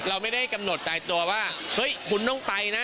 เราไม่ได้กำหนดตายตัวว่าเฮ้ยคุณต้องไปนะ